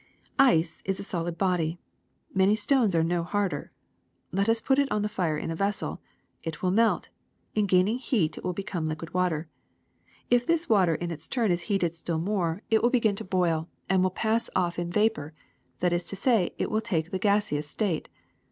"Ice is a solid body; many stones are no harder. Let us put it on the fire in a vessel. It wdll melt ; in gaining heat it will become liquid water. If this water in its turn is heated still more, it will begin to ^34* THE SECRET OF EVERYDAY THINGS boil and will pass off in vapor ; that is to say, it will take the gaseous state.